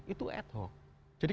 itu ad hoc jadi